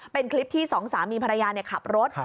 เป็นคลิปที่สองสามีภรรยาขับรถ